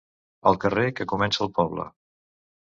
El carrer que comença el poble.